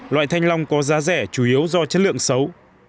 loại thanh long có giá rẻ chủ yếu do chất lượng xấu